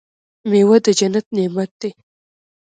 میوه د جنت نعمت دی.